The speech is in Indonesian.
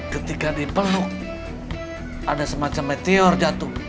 ketika dipeluk ada semacam meteor jatuh